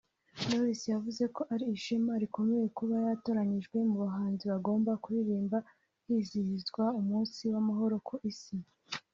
Knowless yavuze ko ari ishema rikomeye kuba yaratoranyijwe mu bahanzi bagomba kuririmba hizihizwa Umunsi w’Amahoro ku Isi